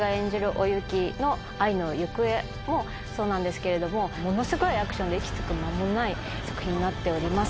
お雪の愛の行方もそうなんですけれどもものすごいアクションで息つく間もない作品になっております。